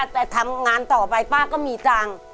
แต่ทำงานต่อไปป้าก็มีตังค์